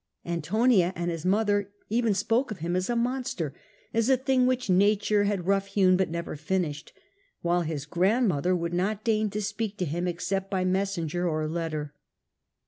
Antonia and his mother even spoke of him as a monster, as a thing which nature had roughhewn but never finished ; while his grandmother would not deign to speak to him except by messenger or letter.